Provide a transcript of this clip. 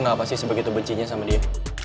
lo kenapa sih begitu bencinya sama dia